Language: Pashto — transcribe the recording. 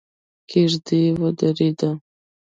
کېږدۍ ودرېده.